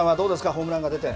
ホームランが出て。